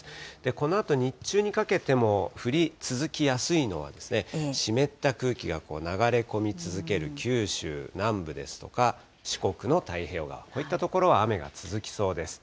このあと日中にかけても降り続きやすいのは、湿った空気が流れ込み続ける九州南部ですとか、四国の太平洋側、こういった所は雨が続きそうです。